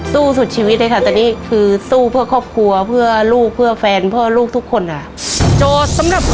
สู้สุดชีวิตเลยค่ะแต่นี่คือสู้เพื่อครอบครัวเพื่อลูกเพื่อแฟนเพื่อลูกทุกคนค่ะ